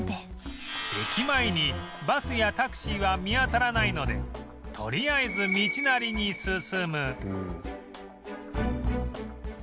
駅前にバスやタクシーは見当たらないのでとりあえず道なりに進む